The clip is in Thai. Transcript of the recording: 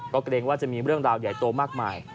ก็เกรงว่าจะมีเรื่องราวใหญ่โตมากมาย